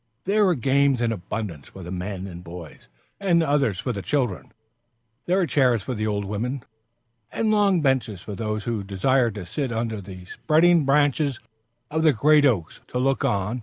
There were games in abundance for the men and boys; and others for the children. There were chairs for the old women, and long benches for those who desired to sit under the spreading branches of the great oaks to look on.